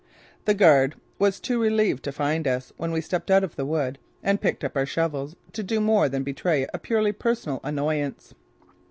The guard was too relieved to find us, when we stepped out of the wood and picked up our shovels, to do more than betray a purely personal annoyance.